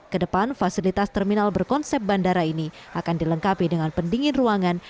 kedepan fasilitas terminal berkonsep bandara ini akan dilengkapi dengan pendingin ruangan